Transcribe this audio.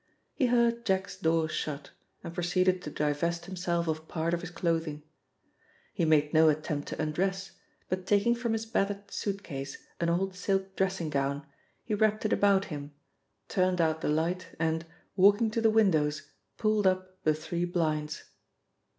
He heard Jack's door shut, and proceeded to divest himself of part of his clothing. He made no attempt to undress, but taking from his battered suit case an old silk dressing gown, he wrapped it about him, turned out the light and, walking to the windows, pulled up the three blinds.